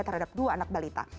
terhadap dua anak balita